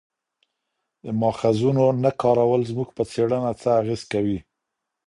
د ماخذونو نه کارول زموږ پر څېړنه څه اغېز کوي؟